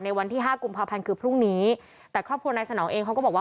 วันที่ห้ากุมภาพันธ์คือพรุ่งนี้แต่ครอบครัวนายสนองเองเขาก็บอกว่า